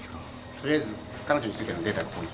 とりあえず彼女についてのデータはここに。